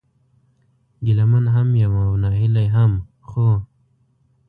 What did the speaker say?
ګيله من هم يم او ناهيلی هم ، خو